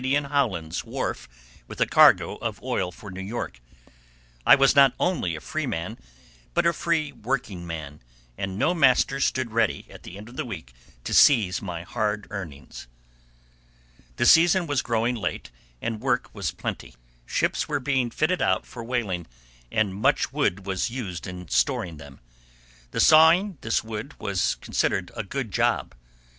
Howland's wharf with a cargo of oil for New York. I was not only a freeman, but a free working man, and no "master" stood ready at the end of the week to seize my hard earnings. The season was growing late and work was plenty. Ships were being fitted out for whaling, and much wood was used in storing them. The sawing this wood was considered a good job.